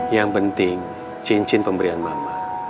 yang penting cincin pemberian mama